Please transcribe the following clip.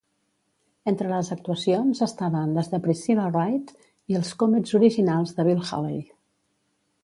Entre les actuacions estaven les de Priscilla Wright i els Comets originals de Bill Haley.